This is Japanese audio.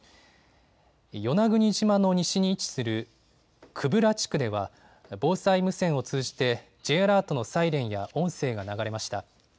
与那国島の西に位置する久部良地区では、防災無線を通じて、Ｊアラートのサイレンや音声が流れました。